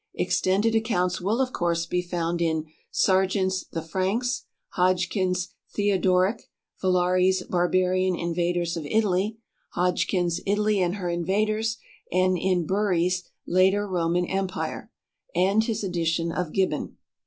Extended accounts will, of course, be found in Sargeant's "The Franks," Hodgkin's "Theodoric," Valari's "Barbarian Invaders of Italy," Hodgkin's "Italy and Her Invaders," and in Bury's "Later Roman Empire" and his edition of Gibbon.